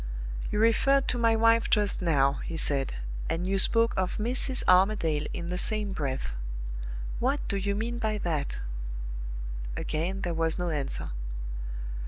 "You referred to my wife just now," he said; "and you spoke of Mrs. Armadale in the same breath. What do you mean by that?" Again there was no answer.